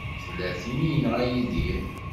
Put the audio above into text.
Tella tin i yenɣa Yidir.